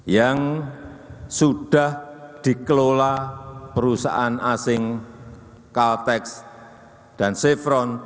yang sudah dikelola perusahaan asing caltex dan chevron